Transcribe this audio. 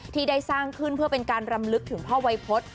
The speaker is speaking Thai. ที่ได้สร้างขึ้นเพื่อเป็นการรำลึกถึงพ่อวัยพฤษ